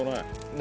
何？